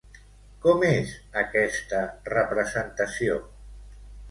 Com és aquesta representació?